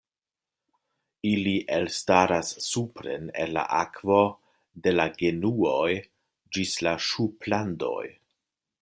Ili elstaras supren el la akvo de la genuoj ĝis la ŝuplandoj.